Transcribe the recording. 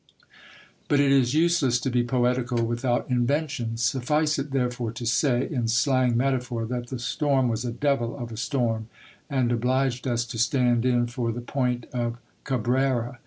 But it is useless to be poetical without invention. Suffice it therefore to say, in slang metaphor, that the storm was a devil of a storm, and obliged us to stand in for the point of Ca brera.